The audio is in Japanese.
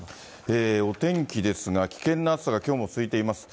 お天気ですが、危険な暑さがきょうも続いています。